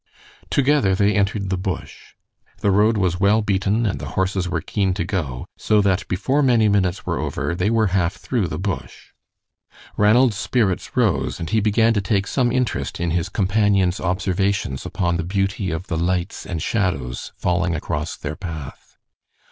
Together they entered the bush. The road was well beaten and the horses were keen to go, so that before many minutes were over they were half through the bush. Ranald's spirits rose and he began to take some interest in his companion's observations upon the beauty of the lights and shadows falling across their path.